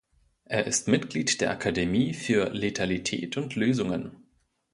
Er ist Mitglied der Akademie für Letalität und Lösungen.